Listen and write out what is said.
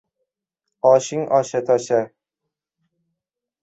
— Oshing osha-tosha